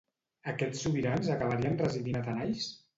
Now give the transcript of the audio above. Aquests sobirans acabarien residint a Tanais?